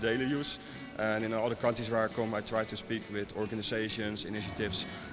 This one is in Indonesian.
dan di semua negara yang saya datang saya mencoba untuk berbicara dengan organisasi inisiatif